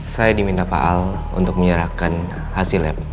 saya diminta pak al untuk menyerahkan hasil lab